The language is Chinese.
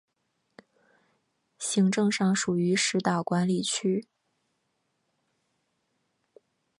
行政上属于石岛管理区。